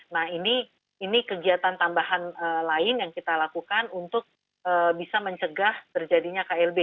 nah ini kegiatan tambahan lain yang kita lakukan untuk bisa mencegah terjadinya klb